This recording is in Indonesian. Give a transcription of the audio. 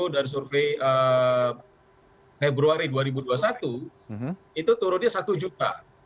dan survei februari dua ribu dua puluh satu itu turunnya satu juta